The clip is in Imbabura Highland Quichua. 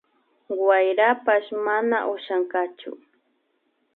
Wayrapash mana ushankachu